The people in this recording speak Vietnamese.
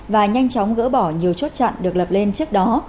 và nhanh chóng gỡ bỏ nhiều chốt chặn được lập lên trước đó